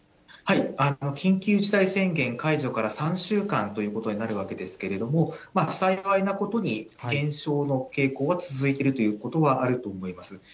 緊急事態宣言解除から３週間ということになるわけですけれども、幸いなことに、減少の傾向が続いているということはあると思います。